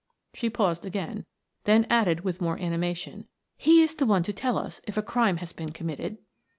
She paused again, then added with more animation, "He is the one to tell us if a crime has been committed."